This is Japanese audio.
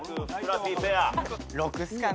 ６っすかね？